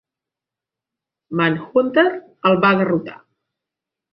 Manhunter el va derrotar.